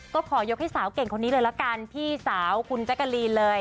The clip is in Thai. ก็ขอยกให้สาวเก่งคนนี้เลยละกันพี่สาวคุณแจ๊กกะลีนเลย